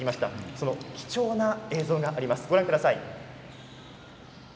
その貴重な映像があります。